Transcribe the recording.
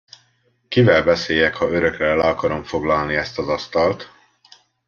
Kivel beszéljek, ha örökre le akarom foglalni ezt az asztalt?